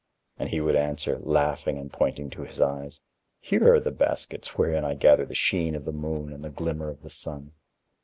And he would answer, laughing and pointing to his eyes: "Here are the baskets wherein I gather the sheen of the moon and the glimmer of the sun."